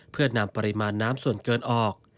เพื่อนำปริมาณน้ำส่วนเกินออก